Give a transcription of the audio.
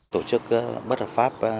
tổ chức bất hợp pháp